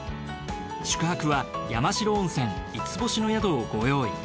宿泊は山代温泉５つ星の宿をご用意。